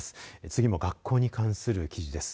次も学校に関する記事です。